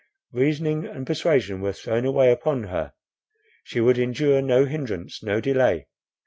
Reasoning and persuasion were thrown away upon her; she would endure no hindrance, no delay.